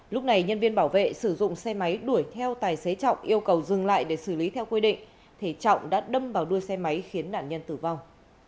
lúc này nhân viên bảo vệ sử dụng xe máy đuổi theo tài xế trọng yêu cầu dừng lại để xử lý theo quy định thì trọng đã đâm vào đuôi xe máy khiến nạn nhân tử vong